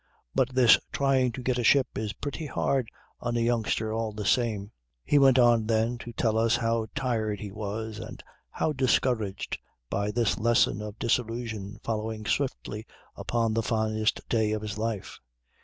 But this 'trying to get a ship' is pretty hard on a youngster all the same ..." He went on then to tell us how tired he was and how discouraged by this lesson of disillusion following swiftly upon the finest day of his life.